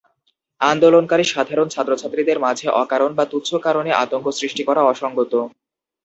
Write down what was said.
আন্দোলনকারী সাধারণ ছাত্রছাত্রীদের মাঝে অকারণ বা তুচ্ছ কারণে আতঙ্ক সৃষ্টি করা অসংগত।